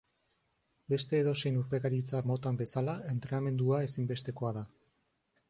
Beste edozein urpekaritza motan bezala entrenamendua ezinbestekoa da.